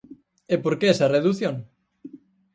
¿E por que esa redución?